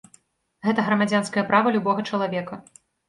Гэта грамадзянскае права любога чалавека.